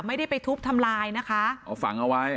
ไม่ได้ไปทุบทำลายนะคะอ๋อฝังเอาไว้